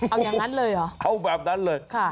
เอางั้นเลยเหรออ๋อค่ะเอาแบบนั้นเลย